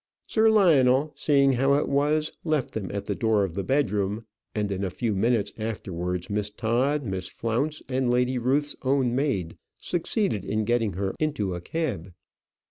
Sir Lionel, seeing how it was, left them at the door of the bedroom, and a few minutes afterwards Miss Todd, Mrs. Flounce, and Lady Ruth's own maid succeeded in getting her into a cab.